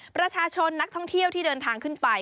ประชาชนนักท่องเที่ยวที่เดินทางขึ้นไป